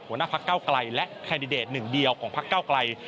หัวหน้าพักเก้าไกลและแคนดิเดตหนึ่งเดียวของพักเก้าไกล